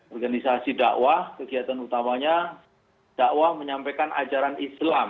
organisasi dakwah kegiatan utamanya dakwah menyampaikan ajaran islam